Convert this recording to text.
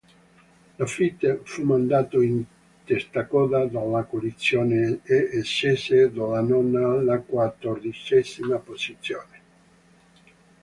Laffite fu mandato in testacoda dalla collisione e scese dalla nona alla quattordicesima posizione.